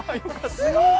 すごい。